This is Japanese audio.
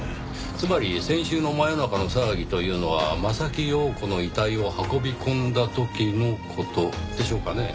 つまり先週の真夜中の騒ぎというのは柾庸子の遺体を運び込んだ時の事でしょうかね。